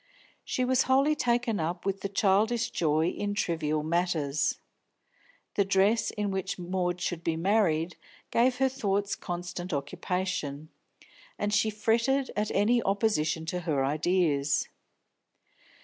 She was wholly taken up with childish joy in trivial matters. The dress in which Maud should be married gave her thoughts constant occupation, and she fretted at any opposition to her ideas.